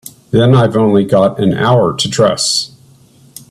Then I've only got an hour to dress.